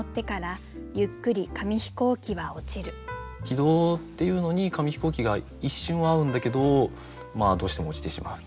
軌道っていうのに紙飛行機が一瞬合うんだけどどうしても墜ちてしまう。